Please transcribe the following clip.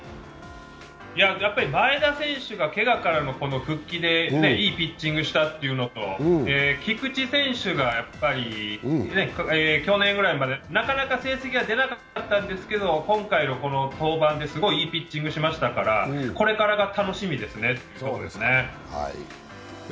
やっぱり前田選手がけがからの復帰でいいピッチングしたというのと、菊池選手が去年ぐらいまでなかなか成績が出なかったんですけど今回はこの登板で、すごいいいピッチングをしましたからこれからが楽しみですね。